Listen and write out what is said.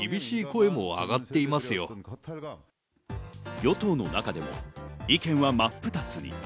与党の中でも意見は真っ二つに。